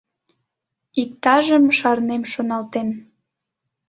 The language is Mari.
Иктажым шарнем шоналтен?